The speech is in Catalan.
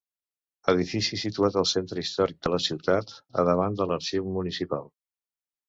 Edifici situat al centre històric de la ciutat, a davant de l'arxiu municipal.